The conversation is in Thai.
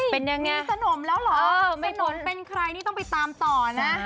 เฮ้ยมีสนมแล้วเหรอสนมเป็นใครนี่ต้องไปตามต่อนะ